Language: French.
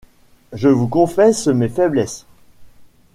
Je vous confesse mes faiblesses.